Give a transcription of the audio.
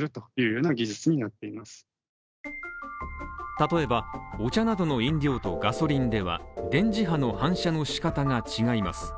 例えば、お茶などの飲料とガソリンでは電磁波の反射の仕方が違います。